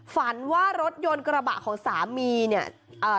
ฝันว่ารถยนต์กระบะของสามีเนี่ยเอ่อ